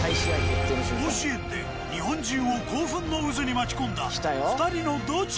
甲子園で日本中を興奮の渦に巻き込んだ２人のどちらかがランクイン。